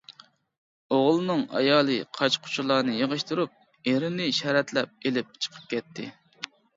ئوغۇلنىڭ ئايالى قاچا-قۇچىلارنى يىغىشتۇرۇپ ئېرىنى شەرەتلەپ ئېلىپ چىقىپ كەتتى.